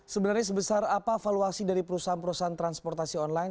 sebenarnya sebesar apa valuasi dari perusahaan perusahaan transportasi online